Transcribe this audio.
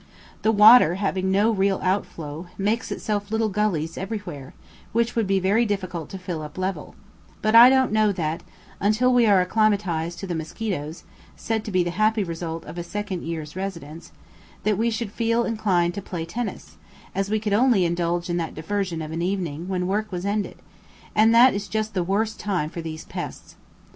The water, having no real outflow, makes itself little gullies everywhere, which would be very difficult to fill up level; but I don't know that, until we are acclimatized to the mosquitoes, said to be the happy result of a second year's residence, that we should feel inclined to play tennis, as we could only indulge in that diversion of an evening when work was ended, and that is just the worst time for these pests.